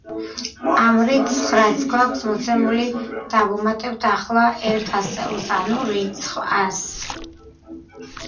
ამ რიცხვს, რაც გვაქვს მოცემული დავუმატებთ ახლა ერთ ასეულს — ანუ რიცხვ ასს.